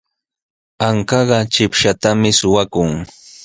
Ankaqa chipshatami suqakun.